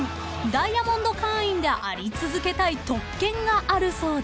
［ダイヤモンド会員であり続けたい特権があるそうで］